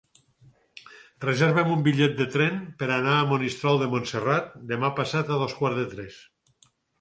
Reserva'm un bitllet de tren per anar a Monistrol de Montserrat demà passat a dos quarts de tres.